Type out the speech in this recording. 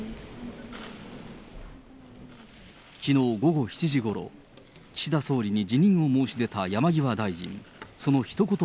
きのう午後７時ごろ、岸田総理に辞任を申し出た山際大臣。